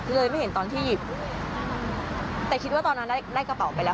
เลยไม่เห็นตอนที่หยิบแต่คิดว่าตอนนั้นได้กระเป๋าไปแล้ว